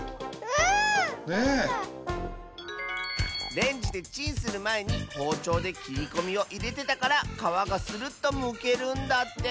レンジでチンするまえにほうちょうできりこみをいれてたからかわがスルッとむけるんだって。